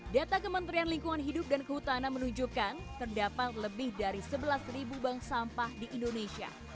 data kementerian lingkungan hidup dan kehutanan menunjukkan terdapat lebih dari sebelas bank sampah di indonesia